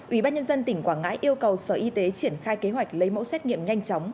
ubnd tỉnh quảng ngãi yêu cầu sở y tế triển khai kế hoạch lấy mẫu xét nghiệm nhanh chóng